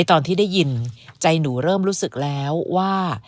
ตอนที่ได้ยินใจหนูเริ่มรู้สึกแล้วว่า